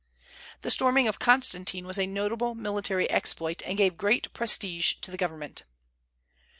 The storming of Constantine was a notable military exploit, and gave great prestige to the government.